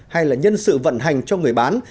hay là nhân sự vận hành cho người bán